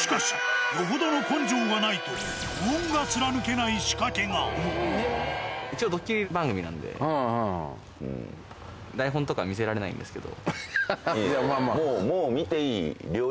しかし、よほどの根性がないと、一応ドッキリ番組なんで、台本とかは見せられないんですけど。